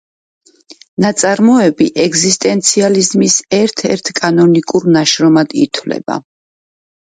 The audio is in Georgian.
ნაწარმოები ეგზისტენციალიზმის ერთ-ერთ კანონიკურ ნაშრომად ითვლება.